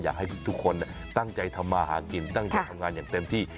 อยากให้ทุกคนตั้งใจทำมาหากินตั้งใจทำงานอย่างเต็มที่